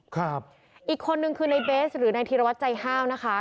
ครับอีกคนนึงคือในเบสหรือนายธีรวัตรใจห้าวนะคะ